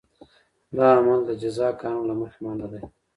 دا عمل د جزا قانون له مخې منع دی.